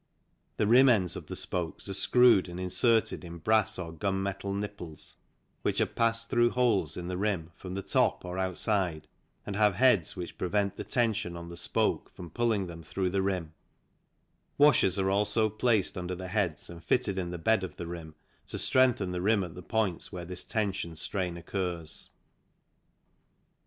The rim ends of the spokes are screwed and inserted in brass or gunmetal nipples, which are passed through holes in the rim from the top or outside and have heads which prevent the tension on the spoke from pulling them through the rim ; washers are also placed under the heads and fitted in the bed of the rim to strengthen the rim at the points where this tension strain occurs.